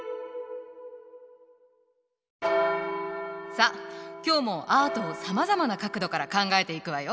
さあ今日もアートをさまざまな角度から考えていくわよ。